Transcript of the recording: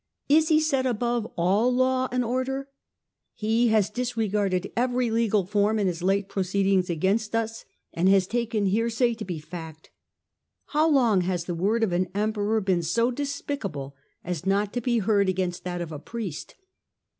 Is he set above all law and order ? He has disregarded every legal form in his late proceedings against us, and has taken hearsay to be fact. How long has the word of an Emperor been so despicable as not to be heard against that of a priest